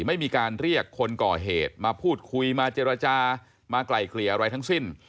ไม่มีการเรียกคนก่อเหตุมาพูดคุยมาเจรจามาไกลเกลี่ยอะไรทั้งสิ้น